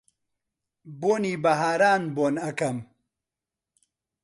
بۆنی بەهاران بۆن ئەکەم